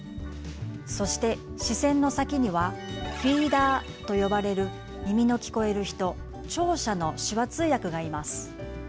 そして視線の先にはフィーダーと呼ばれる耳の聞こえる人聴者の手話通訳がいます。